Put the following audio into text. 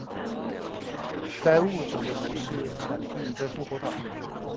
该物种的模式产地在复活节岛。